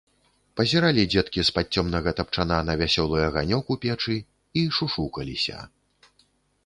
Пазіралі дзеткі з-пад цёмнага тапчана на вясёлы аганёк у печы і шушукаліся.